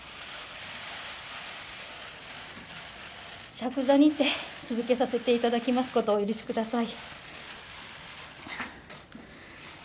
着座にて続けさせていただくことをお許しください。